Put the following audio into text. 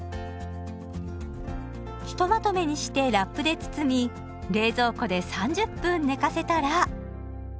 ひとまとめにしてラップで包み冷蔵庫で３０分寝かせたら。